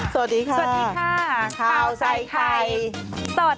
สวัสดีค่ะข่าวใส่ไข่สด